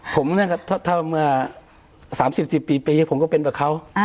ผมเนี่ยค่ะถ้ามา๓๗ปีปีผมก็เป็นแบบเขา